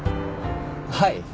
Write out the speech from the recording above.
はい。